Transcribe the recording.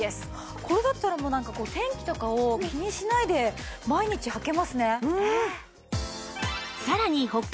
これだったらもう天気とかを気にしないで毎日履けますね。